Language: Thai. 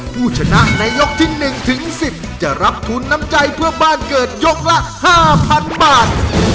ผู้ชนะในยกที่๑ถึง๑๐จะรับทุนน้ำใจเพื่อบ้านเกิดยกละ๕๐๐๐บาท